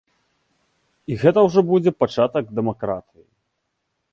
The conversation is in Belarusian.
І гэта ўжо будзе пачатак дэмакратыі.